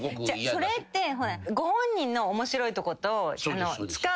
それってご本人の面白いとこと使う。